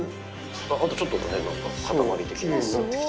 あとちょっとだね固まり的に。